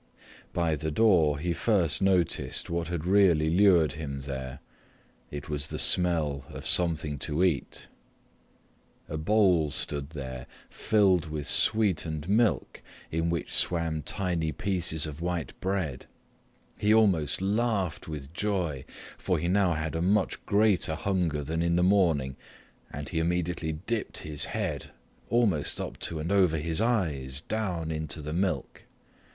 By the door he first noticed what had really lured him there: it was the smell of something to eat. A bowl stood there, filled with sweetened milk, in which swam tiny pieces of white bread. He almost laughed with joy, for he now had a much greater hunger than in the morning, and he immediately dipped his head almost up to and over his eyes down into the milk.